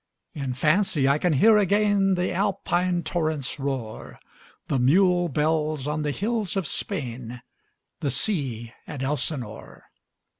In fancy I can hear again The Alpine torrent's roar, The mule bells on the hills of Spain, 15 The sea at Elsinore.